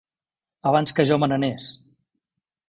Abans que jo me n'anés.